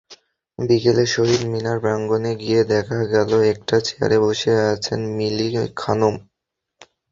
বিকেলে শহীদ মিনার প্রাঙ্গণে গিয়ে দেখা গেল, একটি চেয়ারে বসে আছেন মিলি খানম।